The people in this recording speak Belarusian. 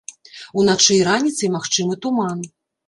Уначы і раніцай магчымы туман.